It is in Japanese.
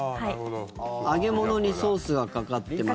揚げ物にソースがかかってます。